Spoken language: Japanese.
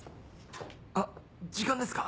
あっ時間ですか？